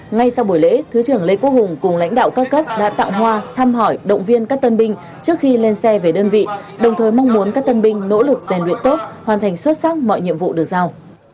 ngay sau buổi lễ thứ trưởng lê quốc hùng cùng lãnh đạo các cấp đã tạo hoa thăm hỏi động viên các thanh niên trước khi lên xe về đơn vị đồng thời mong muốn các thanh niên nỗ lực giành luyện tốt hoàn thành xuất sắc mọi nhiệm vụ được giao